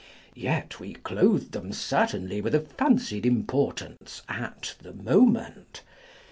Yet we clothe them certainly with a fancied importance at the moment.